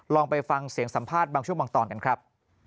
ลองไปฟังเสียงสัมภาษณ์บางช่วงบางตอนกันครับ